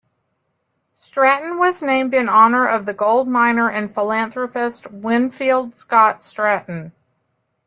Stratton was named in honor of the gold miner and philanthropist Winfield Scott Stratton.